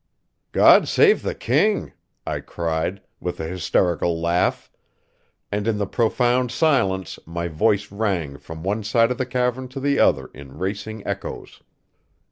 "God save the king!" I cried, with a hysterical laugh; and in the profound silence my voice rang from one side of the cavern to the other in racing echoes.